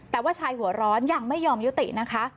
แต่ว่าชายหัวร้อนยังไม่ยอมยุตินะคะ